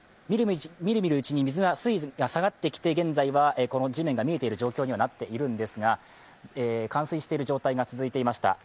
みるみるうちに水位が下がってきて現在は地面が見えている状況にはなっているんですが、冠水している状態が続いていました。